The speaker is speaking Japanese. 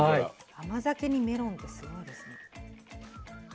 甘酒にメロンってすごいですね。